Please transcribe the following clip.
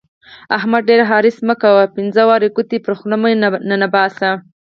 احمده! ډېر حرص مه کوه؛ پينځه واړه ګوتې پر خوله مه ننباسه.